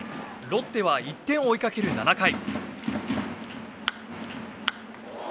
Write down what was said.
ロッテは１点を追いかける７回。